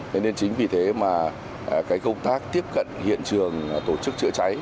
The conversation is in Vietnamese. nên chính vì thế mà công tác tiếp cận hiện trường tổ chức chữa cháy